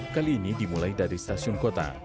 kali ini dimulai dari stasiun kota